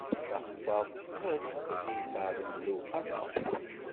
Taxessaṛt teshel, i yeṣṣeɛben d lewqama.